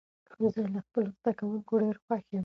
زه له خپلو زده کوونکو ډېر خوښ يم.